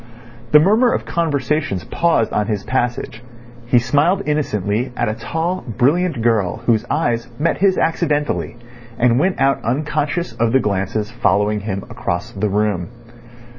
The murmur of conversations paused on his passage. He smiled innocently at a tall, brilliant girl, whose eyes met his accidentally, and went out unconscious of the glances following him across the room.